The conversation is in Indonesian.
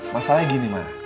masalahnya gini ma